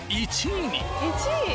１位！？